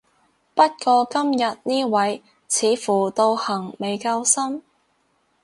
不過今日呢位似乎道行未夠深